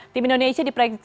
tim indonesia diperdiksa